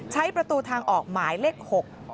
ใช้ประตูทางออกหมายเลข๖